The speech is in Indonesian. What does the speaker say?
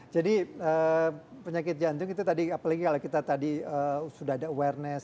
jadi penyakit jantung itu tadi apalagi kalau kita tadi sudah ada awareness